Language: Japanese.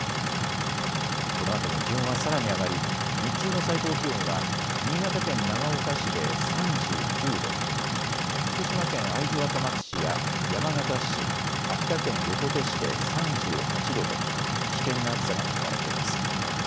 このあとも気温はさらに上がり日中の最高気温は新潟県長岡市で３９度、福島県会津若松市や山形市、秋田県横手市で３８度と危険な暑さが見込まれています。